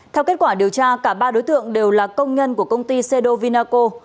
theo kết quả điều tra cả ba đối tượng đều là công nhân của công ty sedovinaco